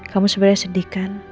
kamu sebenernya sedih kan